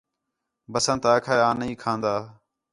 بسنت آکھا ہِے آں نھیں کھان٘دا